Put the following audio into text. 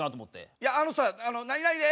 いやあのさ「何々です」